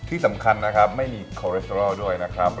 ที่สำคัญนะครับไม่มีคอเรสเตอรอลด้วยนะครับ